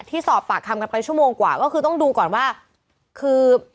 ที่สอบปากคำกันไปชั่วโมงกว่าก็คือต้องดูก่อนว่าคือ